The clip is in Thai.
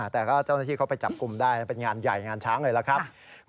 แต่ก็เจ้าหน้าที่เขาไปจับกลุ่มได้เป็นงานใหญ่งานช้างเลยล่ะครับ